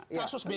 ini kan kasus bdt